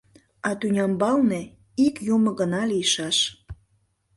А тӱнямбалне ик Юмо гына лийшаш.